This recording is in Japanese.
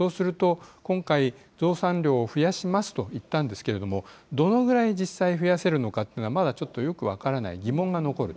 そうすると、今回、増産量を増やしますといったんですけれども、どのぐらい実際、増やせるのかっていうのはまだちょっとよく分からない、疑問が残る。